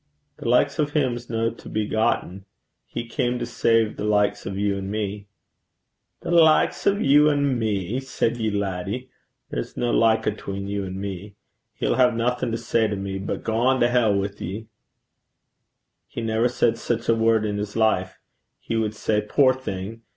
'The likes o' him 's no to be gotten. He cam to save the likes o' you an' me.' 'The likes o' you an' me! said ye, laddie? There's no like atween you and me. He'll hae naething to say to me, but gang to hell wi' ye for a bitch.' 'He never said sic a word in 's life. He wad say, "Poor thing!